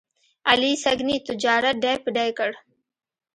علي سږني تجارت ډۍ په ډۍ کړ.